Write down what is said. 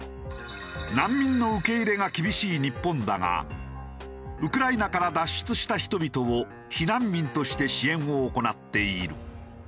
難民の受け入れが厳しい日本だがウクライナから脱出した人々を避難民として支援を行っている。